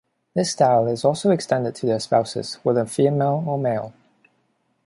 This style is also extended to their spouses, whether female or male.